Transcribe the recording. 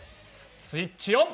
スイッチオン！